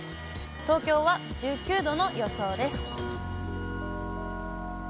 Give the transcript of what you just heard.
東京は１９度の予想です。